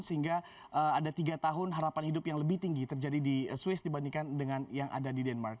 sehingga ada tiga tahun harapan hidup yang lebih tinggi terjadi di swiss dibandingkan dengan yang ada di denmark